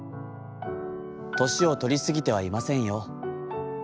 『年をとりすぎてはいませんよ。